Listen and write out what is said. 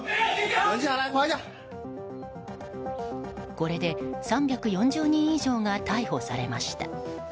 これで３４０人以上が逮捕されました。